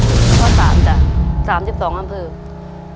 ตัวเลือกที่สามสามสิบสองอำเภอครับ